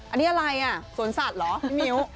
อันนี้อะไรอ่ะสวนสัตว์เหรอพี่มิ้ว